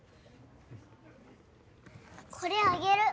これあげる。